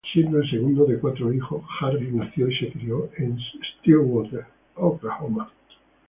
Siendo el segundo de cuatro hijos, Harris nació y se crio en Stillwater, Oklahoma.